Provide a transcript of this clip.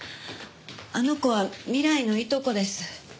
あの子は未来のいとこです。